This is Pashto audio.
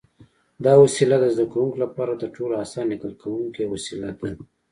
دا وسیله د زده کوونکو لپاره تر ټولو اسانه لیکل کوونکی وسیله ده.